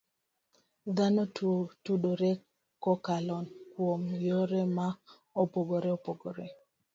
Dhano tudore kokalo kuom yore ma opogore opogore.